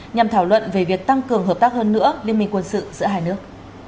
nhằm thảo luận về việc tăng cường hợp tác hơn nữa liên minh quân sự giữa hai nước